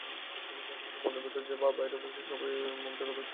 আশা করছি, মলের ভিতরে বা বাইরে উপস্থিত সবাই আমার কথা স্পষ্ট শুনতে পাচ্ছেন।